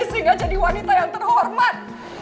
sehingga jadi wanita yang terhormat